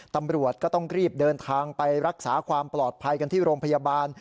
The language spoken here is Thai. ตำรวจก็ต้องรีบเดินทางไปรักษาความปลอดภัยกันที่โรงพยาบาล